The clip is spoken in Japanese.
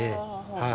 はい。